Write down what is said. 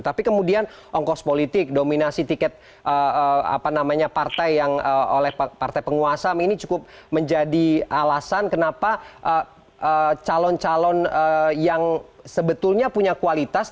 tapi kemudian ongkos politik dominasi tiket partai yang oleh partai penguasa ini cukup menjadi alasan kenapa calon calon yang sebetulnya punya kualitas